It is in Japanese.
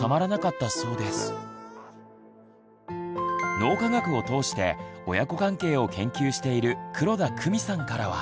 脳科学を通して親子関係を研究している黒田公美さんからは。